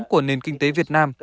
của nền kinh tế việt nam